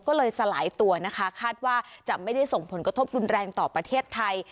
ก็เลยสลายตัวนะคะคาดว่าจะไม่ได้ส่งผลกระทบรุนแรงต่อประเทศไทย